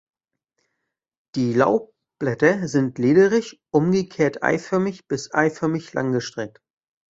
Die Laubblätter sind lederig, umgekehrt eiförmig bis eiförmig-langgestreckt.